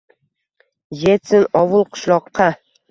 Etsin ovul-qishloqqa.